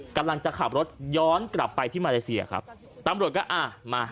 กำลังจะขับรถย้อนกลับไปที่มาเลเซียครับตำรวจก็อ่ามา